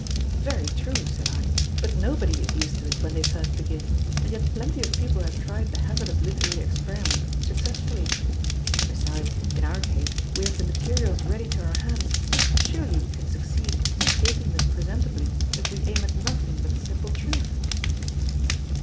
"Very true," said I, "but nobody is used to it when they first begin, and yet plenty of people have tried the hazardous literary experiment successfully. Besides, in our case, we have the materials ready to our hands; surely we can succeed in shaping them presentably if we aim at nothing but the simple truth."